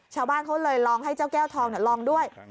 ชาวบ้านเขาเลยลองให้เจ้าแก้วทองลองด้วย